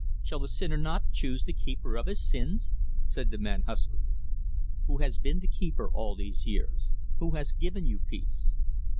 "Shall the sinner not choose the keeper of his sins?" said the man huskily. "Who has been the keeper all these years? Who has given you peace?"